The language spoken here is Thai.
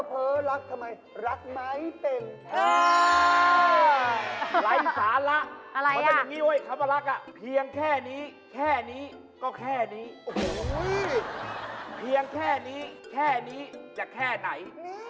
เพียงแค่นี้แค่นี้จะแค่ไหน